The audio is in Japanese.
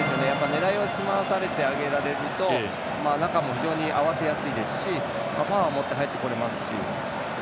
狙いすまされて上げられると中も非常に合わせやすいですしパワーを持って入ってこれますし。